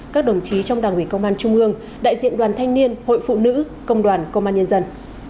các đồng chí trong đảng ủy công an trung ương đại diện đoàn thanh niên hội phụ nữ công đoàn công an nhân dân